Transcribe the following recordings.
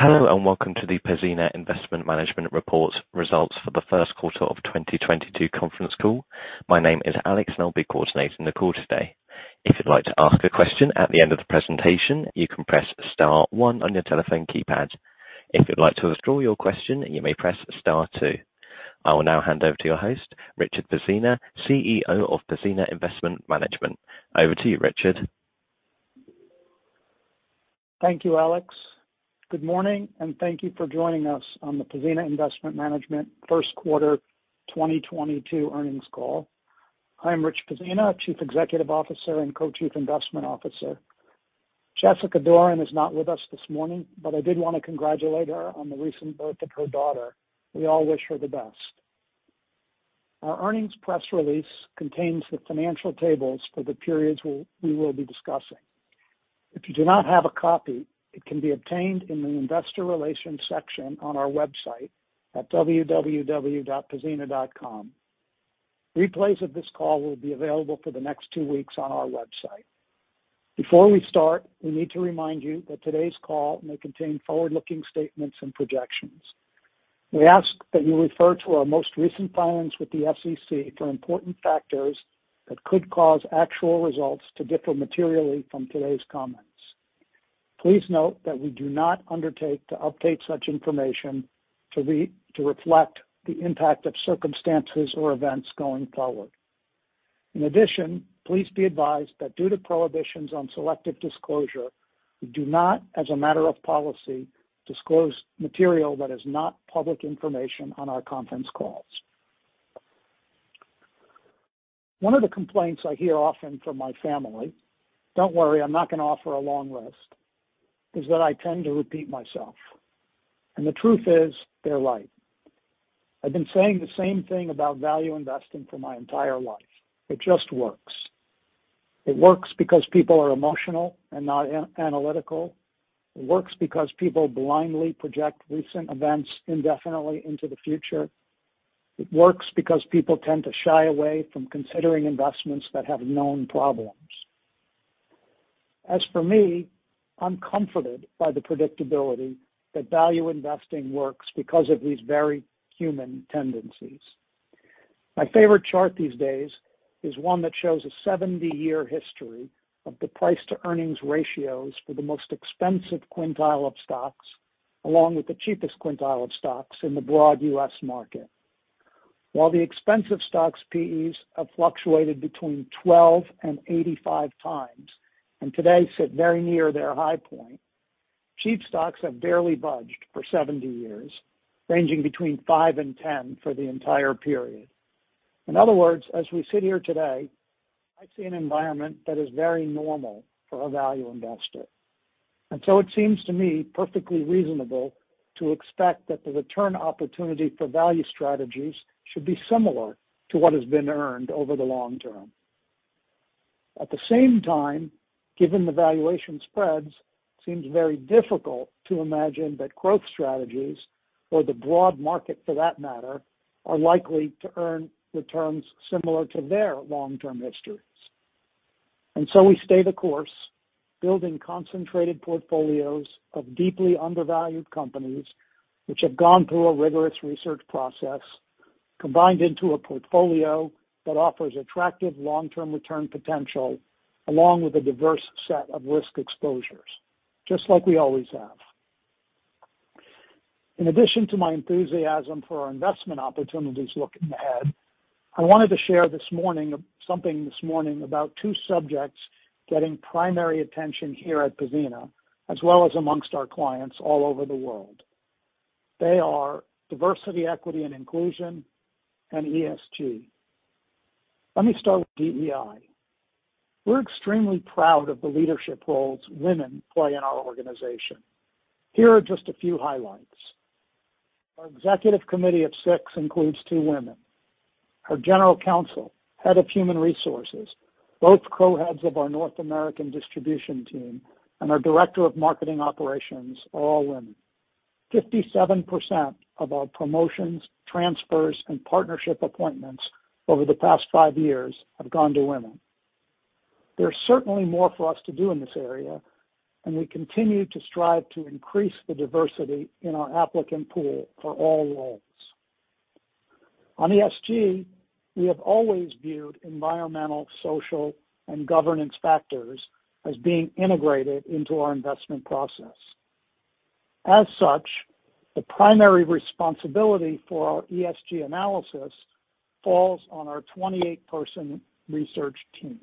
Hello, and welcome to the Pzena Investment Management Report results for the first quarter of 2022 conference call. My name is Alex, and I'll be coordinating the call today. If you'd like to ask a question at the end of the presentation, you can press star one on your telephone keypad. If you'd like to withdraw your question, you may press star two. I will now hand over to your host, Richard Pzena, CEO of Pzena Investment Management. Over to you, Richard. Thank you, Alex. Good morning, and thank you for joining us on the Pzena Investment Management first quarter 2022 earnings call. I am Rich Pzena, Chief Executive Officer and Co-chief Investment Officer. Jessica Doran is not with us this morning, but I did wanna congratulate her on the recent birth of her daughter. We all wish her the best. Our earnings press release contains the financial tables for the periods we will be discussing. If you do not have a copy, it can be obtained in the investor relations section on our website at www.pzena.com. Replays of this call will be available for the next two weeks on our website. Before we start, we need to remind you that today's call may contain forward-looking statements and projections. We ask that you refer to our most recent filings with the SEC for important factors that could cause actual results to differ materially from today's comments. Please note that we do not undertake to update such information to reflect the impact of circumstances or events going forward. In addition, please be advised that due to prohibitions on selective disclosure, we do not, as a matter of policy, disclose material that is not public information on our conference calls. One of the complaints I hear often from my family, don't worry, I'm not gonna offer a long list, is that I tend to repeat myself. The truth is, they're right. I've been saying the same thing about value investing for my entire life. It just works. It works because people are emotional and not analytical. It works because people blindly project recent events indefinitely into the future. It works because people tend to shy away from considering investments that have known problems. As for me, I'm comforted by the predictability that value investing works because of these very human tendencies. My favorite chart these days is one that shows a 70-year history of the price-to-earnings ratios for the most expensive quintile of stocks, along with the cheapest quintile of stocks in the broad U.S. market. While the expensive stocks PEs have fluctuated between 12 and 85 times, and today sit very near their high point, cheap stocks have barely budged for 70 years, ranging between 5 and 10 for the entire period. In other words, as we sit here today, I see an environment that is very normal for a value investor. It seems to me perfectly reasonable to expect that the return opportunity for value strategies should be similar to what has been earned over the long term. At the same time, given the valuation spreads, seems very difficult to imagine that growth strategies, or the broad market for that matter, are likely to earn returns similar to their long-term histories. We stay the course, building concentrated portfolios of deeply undervalued companies, which have gone through a rigorous research process, combined into a portfolio that offers attractive long-term return potential, along with a diverse set of risk exposures, just like we always have. In addition to my enthusiasm for our investment opportunities looking ahead, I wanted to share this morning something this morning about two subjects getting primary attention here at Pzena, as well as among our clients all over the world. They are diversity, equity, and inclusion, and ESG. Let me start with DEI. We're extremely proud of the leadership roles women play in our organization. Here are just a few highlights. Our executive committee of six includes two women. Our general counsel, head of human resources, both co-heads of our North American distribution team, and our director of marketing operations are all women. 57% of our promotions, transfers, and partnership appointments over the past five years have gone to women. There are certainly more for us to do in this area, and we continue to strive to increase the diversity in our applicant pool for all roles. On ESG, we have always viewed environmental, social, and governance factors as being integrated into our investment process. As such, the primary responsibility for our ESG analysis falls on our 28-person research team.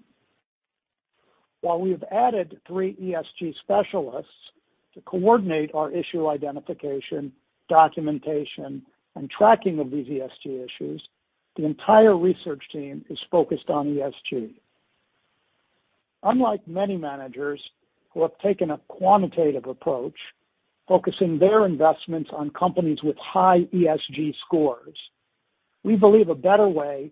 While we have added three ESG specialists to coordinate our issue identification, documentation, and tracking of these ESG issues, the entire research team is focused on ESG. Unlike many managers who have taken a quantitative approach, focusing their investments on companies with high ESG scores, we believe a better way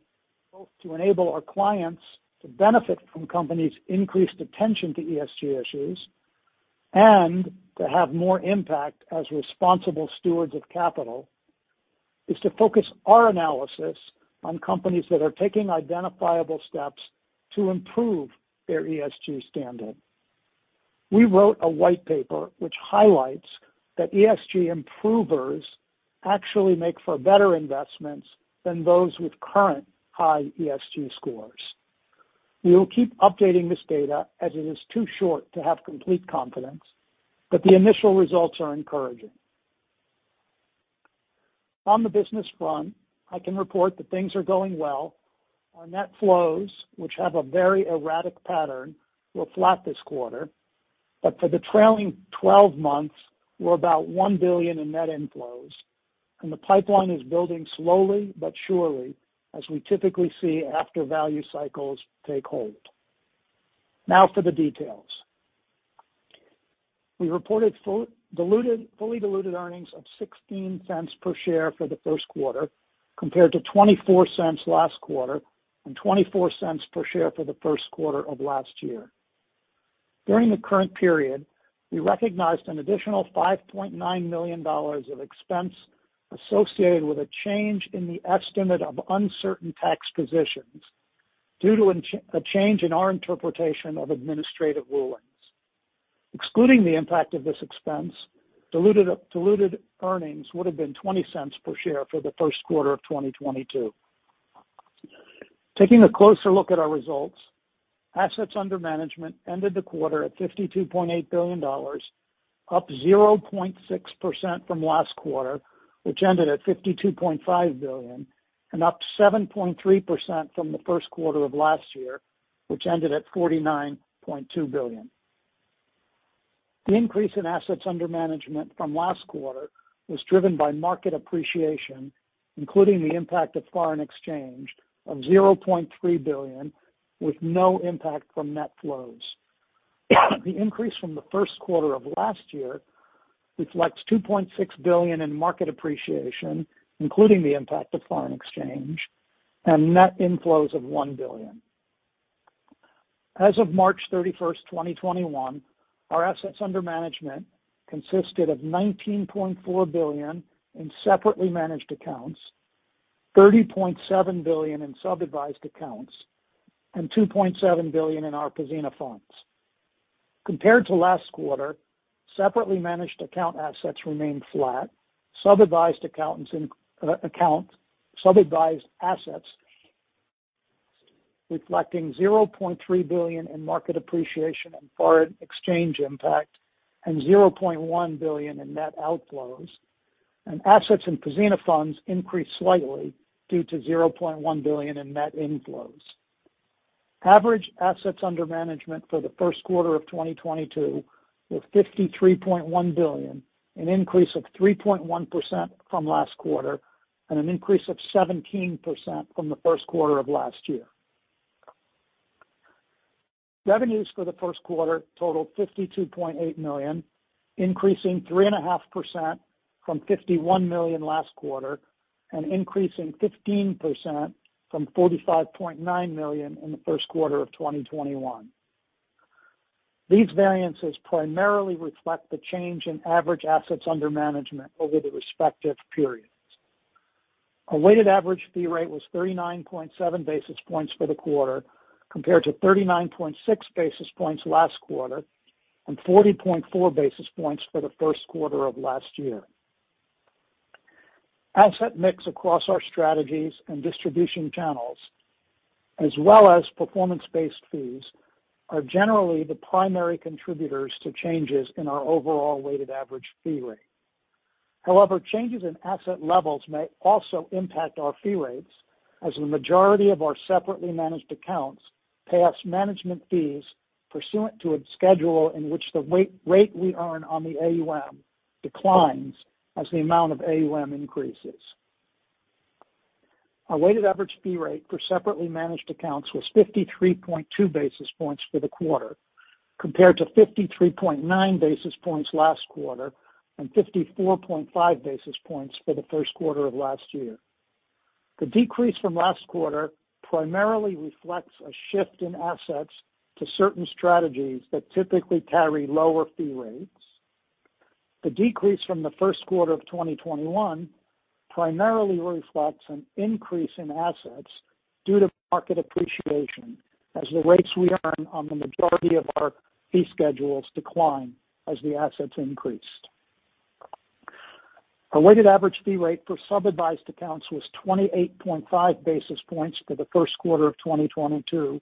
both to enable our clients to benefit from companies' increased attention to ESG issues and to have more impact as responsible stewards of capital is to focus our analysis on companies that are taking identifiable steps to improve their ESG standing. We wrote a white paper which highlights that ESG improvers actually make for better investments than those with current high ESG scores. We will keep updating this data as it is too short to have complete confidence, but the initial results are encouraging. On the business front, I can report that things are going well. Our net flows, which have a very erratic pattern, were flat this quarter. For the trailing twelve months, we're about $1 billion in net inflows, and the pipeline is building slowly but surely, as we typically see after value cycles take hold. Now for the details. We reported fully diluted earnings of $0.16 per share for the first quarter, compared to $0.24 last quarter and $0.24 per share for the first quarter of last year. During the current period, we recognized an additional $5.9 million of expense associated with a change in the estimate of uncertain tax positions due to a change in our interpretation of administrative rulings. Excluding the impact of this expense, diluted earnings would have been $0.20 per share for the first quarter of 2022. Taking a closer look at our results, assets under management ended the quarter at $52.8 billion, up 0.6% from last quarter, which ended at $52.5 billion, and up 7.3% from the first quarter of last year, which ended at $49.2 billion. The increase in assets under management from last quarter was driven by market appreciation, including the impact of foreign exchange of $0.3 billion, with no impact from net flows. The increase from the first quarter of last year reflects $2.6 billion in market appreciation, including the impact of foreign exchange and net inflows of $1 billion. As of March 31, 2021, our assets under management consisted of $19.4 billion in separately managed accounts, $30.7 billion in sub-advised accounts, and $2.7 billion in our Pzena Funds. Compared to last quarter, separately managed account assets remained flat. Sub-advised account assets reflecting $0.3 billion in market appreciation and foreign exchange impact and $0.1 billion in net outflows. Assets in Pzena Funds increased slightly due to $0.1 billion in net inflows. Average assets under management for the first quarter of 2022 was $53.1 billion, an increase of 3.1% from last quarter, and an increase of 17% from the first quarter of last year. Revenues for the first quarter totaled $52.8 million, increasing 3.5% from $51 million last quarter, and increasing 15% from $45.9 million in the first quarter of 2021. These variances primarily reflect the change in average assets under management over the respective periods. A weighted average fee rate was 39.7 basis points for the quarter, compared to 39.6 basis points last quarter, and 40.4 basis points for the first quarter of last year. Asset mix across our strategies and distribution channels, as well as performance-based fees, are generally the primary contributors to changes in our overall weighted average fee rate. However, changes in asset levels may also impact our fee rates, as the majority of our separately managed accounts pay us management fees pursuant to a schedule in which the rate we earn on the AUM declines as the amount of AUM increases. Our weighted average fee rate for separately managed accounts was 53.2 basis points for the quarter, compared to 53.9 basis points last quarter, and 54.5 basis points for the first quarter of last year. The decrease from last quarter primarily reflects a shift in assets to certain strategies that typically carry lower fee rates. The decrease from the first quarter of 2021 primarily reflects an increase in assets due to market appreciation as the rates we earn on the majority of our fee schedules decline as the assets increased. Our weighted average fee rate for sub-advised accounts was 28.5 basis points for the first quarter of 2022,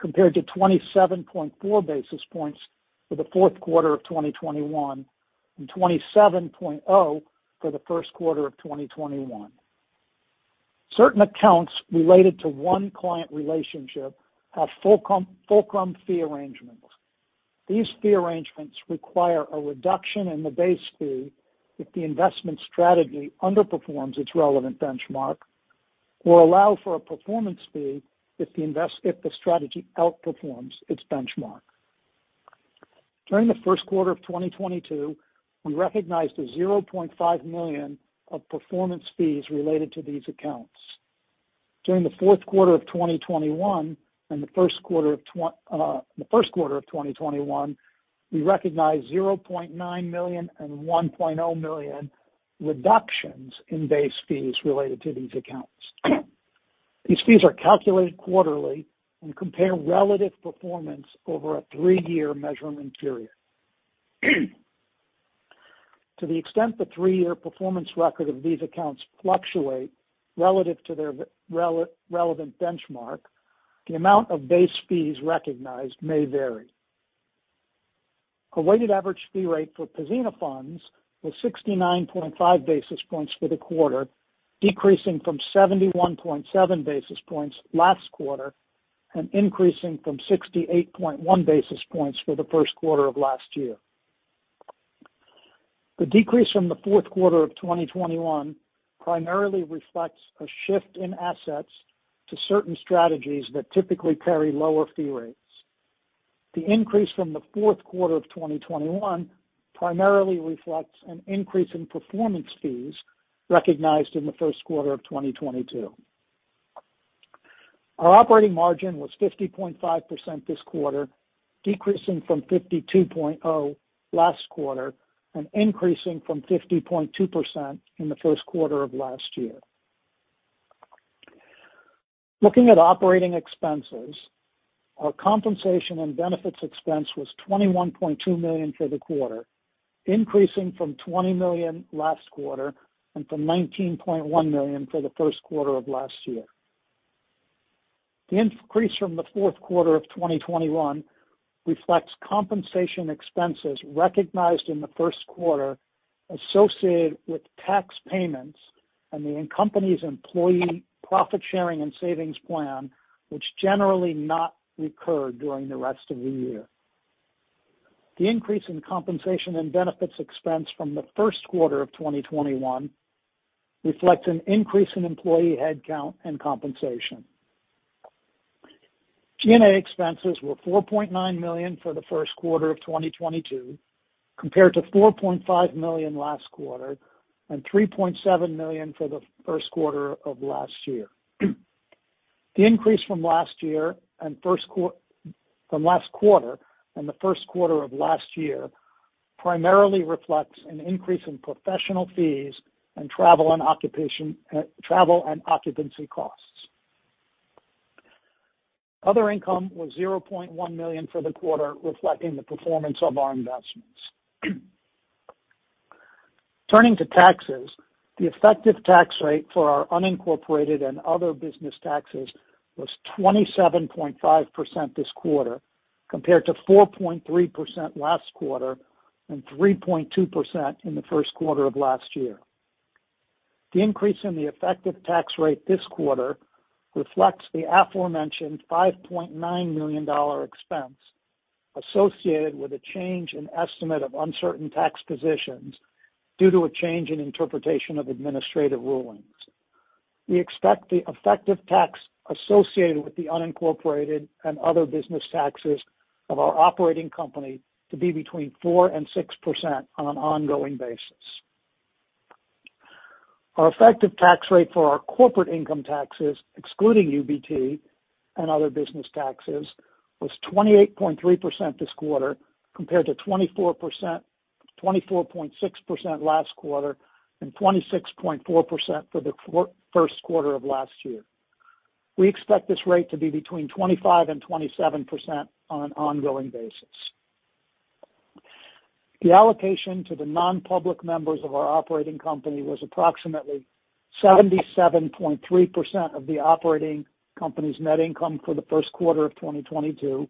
compared to 27.4 basis points for the fourth quarter of 2021, and 27.0 for the first quarter of 2021. Certain accounts related to one client relationship have fulcrum fee arrangements. These fee arrangements require a reduction in the base fee if the investment strategy underperforms its relevant benchmark, or allow for a performance fee if the strategy outperforms its benchmark. During the first quarter of 2022, we recognized $0.5 million of performance fees related to these accounts. During the fourth quarter of 2021 and the first quarter of 2021, we recognized $0.9 million and $1.0 million reductions in base fees related to these accounts. These fees are calculated quarterly and compare relative performance over a three-year measurement period. To the extent the three-year performance record of these accounts fluctuate relative to their relevant benchmark, the amount of base fees recognized may vary. A weighted average fee rate for Pzena Funds was 69.5 basis points for the quarter, decreasing from 71.7 basis points last quarter and increasing from 68.1 basis points for the first quarter of last year. The decrease from the fourth quarter of 2021 primarily reflects a shift in assets to certain strategies that typically carry lower fee rates. The increase from the fourth quarter of 2021 primarily reflects an increase in performance fees recognized in the first quarter of 2022. Our operating margin was 50.5% this quarter, decreasing from 52.0% last quarter and increasing from 50.2% in the first quarter of last year. Looking at operating expenses, our compensation and benefits expense was $21.2 million for the quarter, increasing from $20 million last quarter and from $19.1 million for the first quarter of last year. The increase from the fourth quarter of 2021 reflects compensation expenses recognized in the first quarter associated with tax payments and the company's employee profit sharing and savings plan, which generally not recurred during the rest of the year. The increase in compensation and benefits expense from the first quarter of 2021 reflects an increase in employee headcount and compensation. G&A expenses were $4.9 million for the first quarter of 2022, compared to $4.5 million last quarter and $3.7 million for the first quarter of last year. The increase from last quarter and the first quarter of last year primarily reflects an increase in professional fees and travel and occupancy costs. Other income was $0.1 million for the quarter, reflecting the performance of our investments. Turning to taxes, the effective tax rate for our unincorporated and other business taxes was 27.5% this quarter, compared to 4.3% last quarter and 3.2% in the first quarter of last year. The increase in the effective tax rate this quarter reflects the aforementioned $5.9 million expense associated with a change in estimate of uncertain tax positions due to a change in interpretation of administrative rulings. We expect the effective tax associated with the unincorporated and other business taxes of our operating company to be between 4% and 6% on an ongoing basis. Our effective tax rate for our corporate income taxes, excluding UBT and other business taxes, was 28.3% this quarter, compared to 24%... 24.6% last quarter and 26.4% for the first quarter of last year. We expect this rate to be between 25%-27% on an ongoing basis. The allocation to the non-public members of our operating company was approximately 77.3% of the operating company's net income for the first quarter of 2022,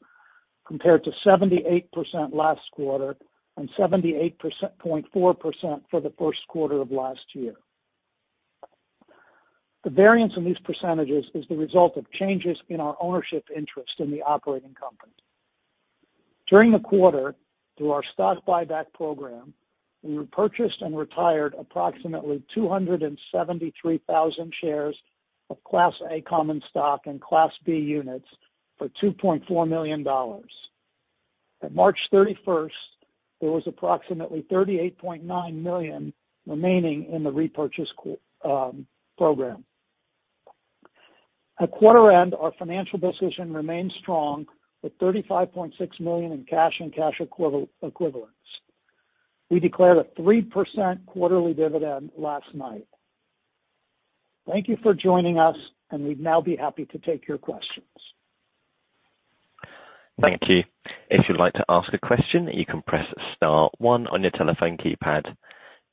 compared to 78% last quarter and 78.4% for the first quarter of last year. The variance in these percentages is the result of changes in our ownership interest in the operating company. During the quarter, through our stock buyback program, we repurchased and retired approximately 273,000 shares of Class A common stock and Class B units for $2.4 million. At March 31st, there was approximately $38.9 million remaining in the repurchase program. At quarter end, our financial position remained strong with $35.6 million in cash and cash equivalents. We declared a 3% quarterly dividend last night. Thank you for joining us, and we'd now be happy to take your questions. Thank you. If you'd like to ask a question, you can press star one on your telephone keypad.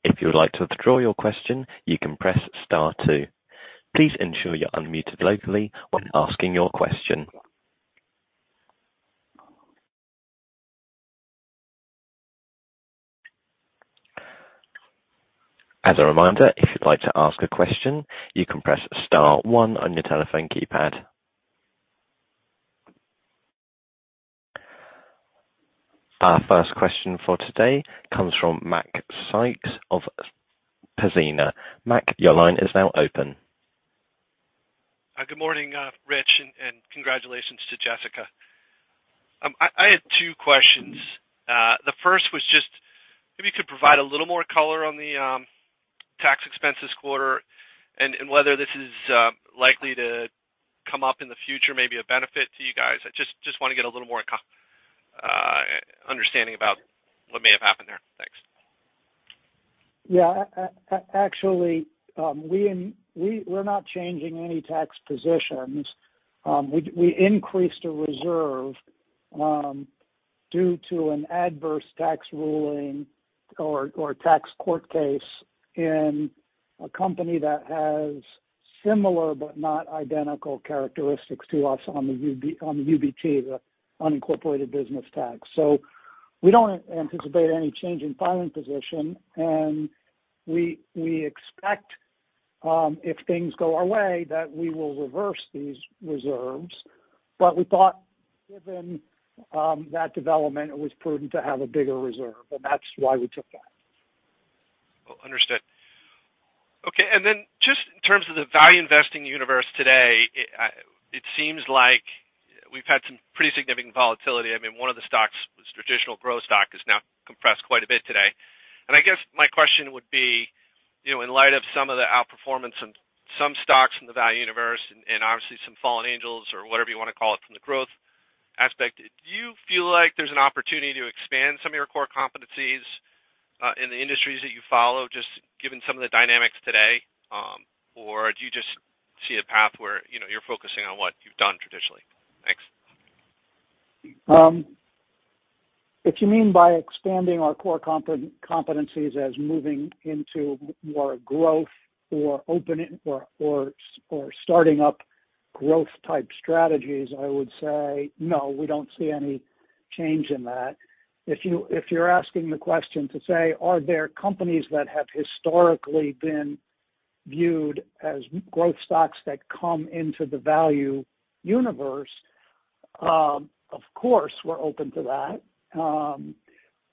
If you would like to withdraw your question, you can press star two. Please ensure you're unmuted locally when asking your question. As a reminder, if you'd like to ask a question, you can press star one on your telephone keypad. Our first question for today comes from Mac Sykes of Gabelli Funds. Mac, your line is now open. Good morning, Rich, and congratulations to Jessica. I have two questions. It was just if you could provide a little more color on the tax expense this quarter and whether this is likely to come up in the future, maybe a benefit to you guys. I just want to get a little more understanding about what may have happened there. Thanks. Yeah. Actually, we're not changing any tax positions. We increased a reserve due to an adverse tax ruling or tax court case in a company that has similar but not identical characteristics to us on the UBT, the unincorporated business tax. We don't anticipate any change in filing position, and we expect, if things go our way, that we will reverse these reserves. We thought given that development, it was prudent to have a bigger reserve, and that's why we took that. Understood. Okay. Just in terms of the value investing universe today, it seems like we've had some pretty significant volatility. I mean, one of the stocks was traditional growth stock is now compressed quite a bit today. I guess my question would be, you know, in light of some of the outperformance in some stocks from the value universe and obviously some fallen angels or whatever you wanna call it from the growth aspect, do you feel like there's an opportunity to expand some of your core competencies in the industries that you follow, just given some of the dynamics today? Or do you just see a path where, you know, you're focusing on what you've done traditionally? Thanks. If you mean by expanding our core competencies as moving into more growth or opening or starting up growth type strategies, I would say no, we don't see any change in that. If you're asking the question to say, are there companies that have historically been viewed as growth stocks that come into the value universe? Of course, we're open to that.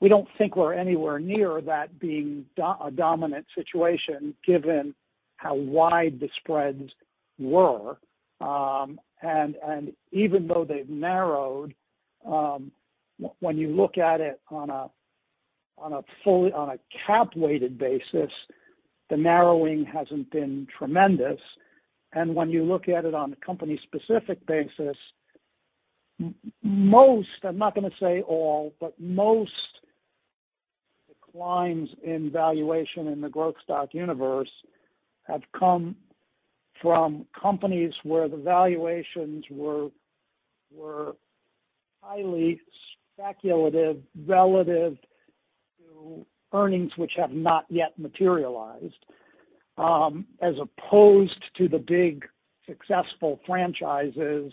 We don't think we're anywhere near that being a dominant situation given how wide the spreads were. And even though they've narrowed, when you look at it on a fully cap weighted basis, the narrowing hasn't been tremendous. When you look at it on a company specific basis, most, I'm not gonna say all, but most declines in valuation in the growth stock universe have come from companies where the valuations were highly speculative relative to earnings, which have not yet materialized, as opposed to the big successful franchises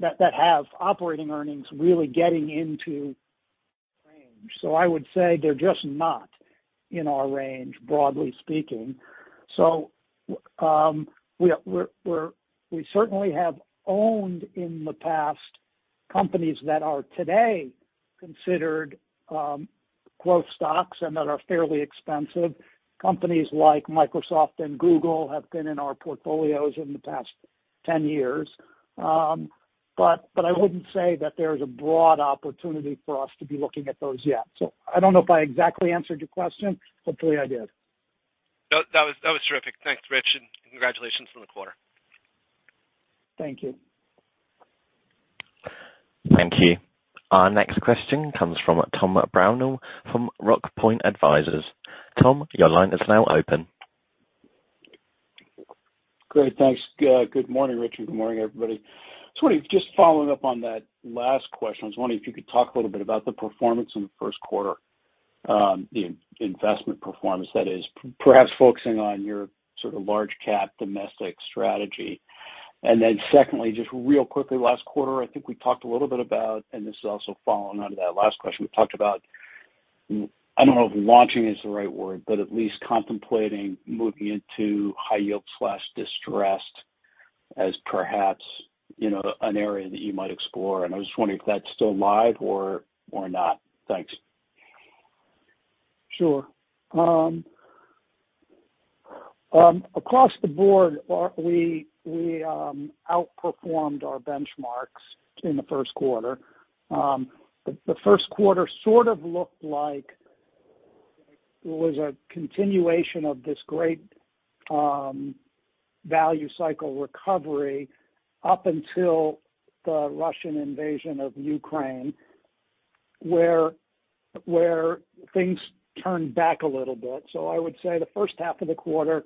that have operating earnings really getting into range. I would say they're just not in our range, broadly speaking. We certainly have owned in the past companies that are today considered growth stocks and that are fairly expensive. Companies like Microsoft and Google have been in our portfolios in the past 10 years. But I wouldn't say that there's a broad opportunity for us to be looking at those yet. I don't know if I exactly answered your question. Hopefully I did. That was terrific. Thanks, Rich, and congratulations on the quarter. Thank you. Thank you. Our next question comes from Tom Brownell from Rock Point Advisors. Tom, your line is now open. Great. Thanks. Good morning, Richard. Good morning, everybody. Just wondering, just following up on that last question, I was wondering if you could talk a little bit about the performance in the first quarter, the investment performance that is perhaps focusing on your sort of large cap domestic strategy. Then secondly, just real quickly, last quarter, I think we talked a little bit about, and this is also following on to that last question, we talked about, I don't know if launching is the right word, but at least contemplating moving into high yield/distressed as perhaps, you know, an area that you might explore. I was just wondering if that's still live or not. Thanks. Sure. Across the board, we outperformed our benchmarks in the first quarter. The first quarter sort of looked like it was a continuation of this great value cycle recovery up until the Russian invasion of Ukraine, where things turned back a little bit. I would say the first half of the quarter,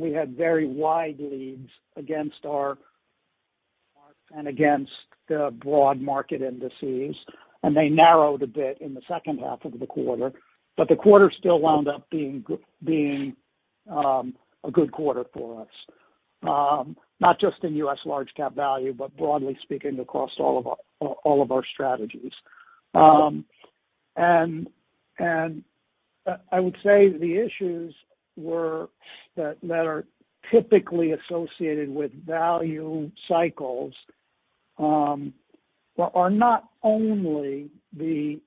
we had very wide leads against our benchmarks and against the broad market indices, and they narrowed a bit in the second half of the quarter. The quarter still wound up being a good quarter for us, not just in U.S. Large Cap Value, but broadly speaking across all of our strategies. I would say the issues that are typically associated with value cycles are not only the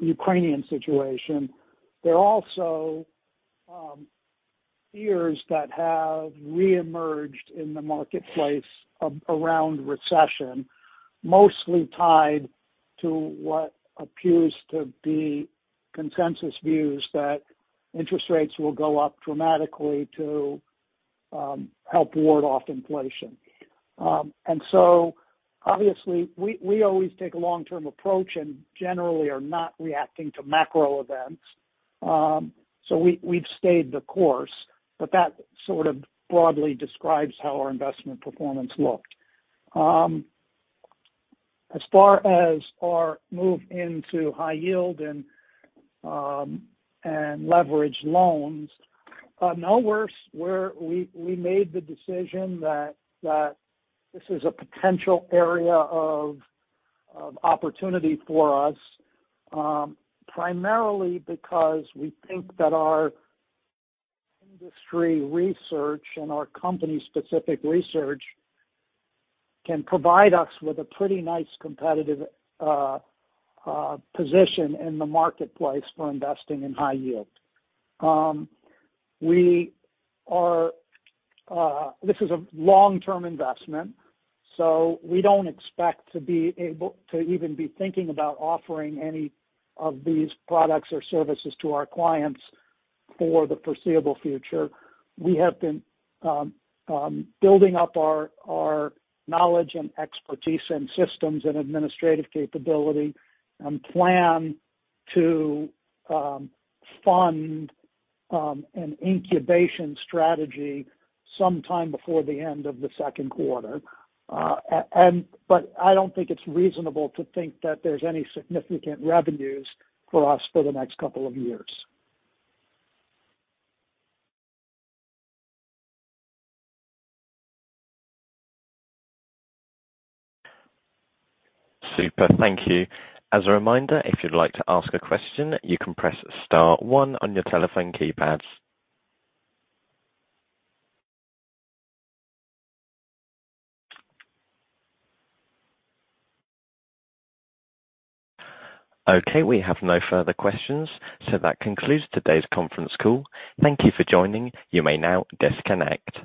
Ukrainian situation. There are also fears that have reemerged in the marketplace around recession, mostly tied to what appears to be consensus views that interest rates will go up dramatically to help ward off inflation. Obviously we always take a long-term approach and generally are not reacting to macro events. We've stayed the course, but that sort of broadly describes how our investment performance looked. As far as our move into high yield and leveraged loans, no, we made the decision that this is a potential area of opportunity for us, primarily because we think that our industry research and our company-specific research can provide us with a pretty nice competitive position in the marketplace for investing in high yield. We are. This is a long-term investment, so we don't expect to be able to even be thinking about offering any of these products or services to our clients for the foreseeable future. We have been building up our knowledge and expertise and systems and administrative capability and plan to fund an incubation strategy sometime before the end of the second quarter. I don't think it's reasonable to think that there's any significant revenues for us for the next couple of years. Super. Thank you. As a reminder, if you'd like to ask a question, you can press star one on your telephone keypads. Okay, we have no further questions, so that concludes today's conference call. Thank you for joining. You may now disconnect.